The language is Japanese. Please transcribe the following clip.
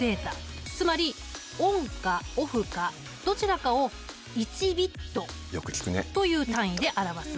つまりＯＮかＯＦＦかどちらかを１ｂｉｔという単位で表す。